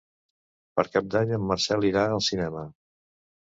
Per Cap d'Any en Marcel irà al cinema.